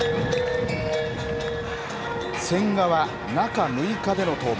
千賀は中６日での登板。